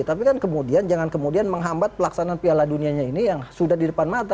tapi kan kemudian jangan kemudian menghambat pelaksanaan piala dunianya ini yang sudah di depan mata